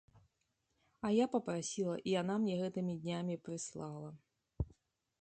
А я папрасіла, і яна мне гэтымі днямі прыслала.